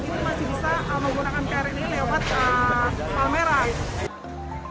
ini masih bisa menggunakan krl ini lewat palmeran